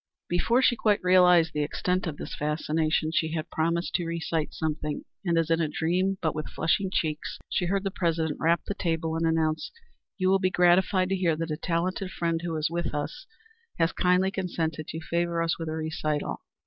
Before she quite realized the extent of this fascination she had promised to recite something, and as in a dream, but with flushing cheeks, she heard the President rap the table and announce "You will be gratified to hear that a talented friend who is with us has kindly consented to favor us with a recital.